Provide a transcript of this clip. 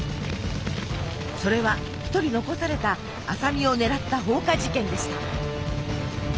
それは一人残された麻美を狙った放火事件でした。